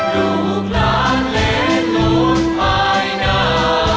ลูกหลานและลูกภายหน้า